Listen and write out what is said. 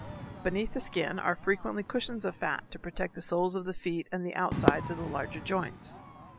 Beneath the skin are frequently cushions of fat to protect the soles of the feet and the outside of the larger joints.